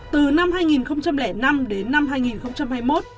từ năm hai nghìn năm đến năm hai nghìn hai mươi một